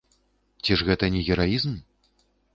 Ці ж гэта не гераізм?